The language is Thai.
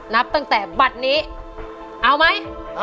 นับตั้งแต่บัตรนี้